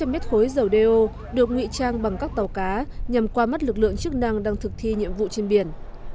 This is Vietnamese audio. tám trăm linh mét khối dầu đeo được ngụy trang bằng các tàu cá nhằm qua mắt lực lượng chức năng đang thực thi nhiệm vụ trên biển